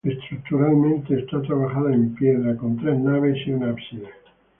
Estructuralmente está trabajada en piedra, con tres naves y ábside.